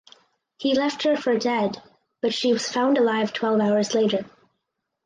He left her for dead but she was found alive twelve hours later.